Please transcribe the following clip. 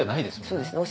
そうですね。